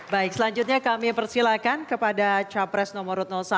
baik selanjutnya kami persilakan kepada capres nomor satu